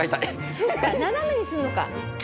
そっか斜めにするのか。